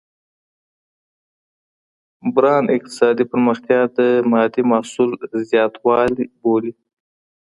بران اقتصادي پرمختیا د مادي محصول زیاتوالی بولي.